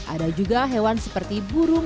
ada juga hewan seperti burung